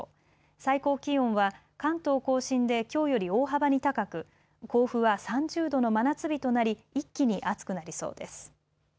最高気温は関東甲信できょうより大幅に高く甲府は３０度の真夏日となり、一気に暑くなりそうです。